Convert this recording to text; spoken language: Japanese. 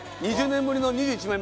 ２０年ぶりの２１枚。